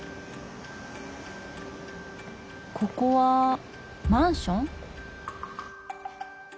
ここはマンション？